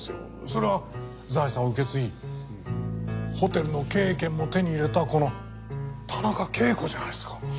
それは財産を受け継ぎホテルの経営権も手に入れたこの田中啓子じゃないですか。